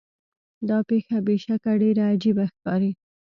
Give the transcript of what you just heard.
دا پیښه بې شکه ډیره عجیبه ښکاري.